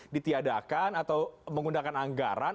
ditiadakan atau menggunakan anggaran